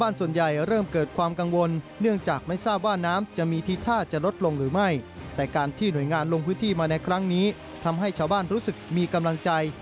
ในครั้งนี้ทำให้ชาวบ้านรู้สึกมีกำลังใจ